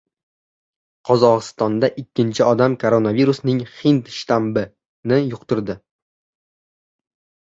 Qozog‘istonda ikkinchi odam koronavirusning "hind shtammi"ni yuqtirdi